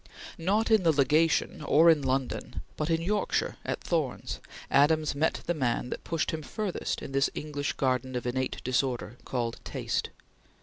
Not in the Legation, or in London, but in Yorkshire at Thornes, Adams met the man that pushed him furthest in this English garden of innate disorder called taste.